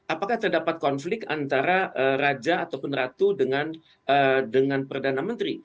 apakah terdapat konflik antara raja ataupun ratu dengan perdana menteri